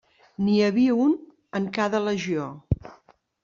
N'hi havia un en cada legió.